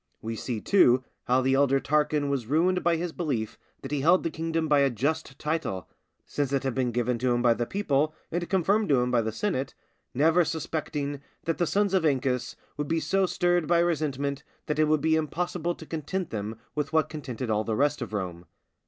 We see, too, how the elder Tarquin was ruined by his belief that he held the kingdom by a just title, since it had been given him by the people and confirmed to him by the senate, never suspecting that the sons of Ancus would be so stirred by resentment that it would be impossible to content them with what contented all the rest of Rome.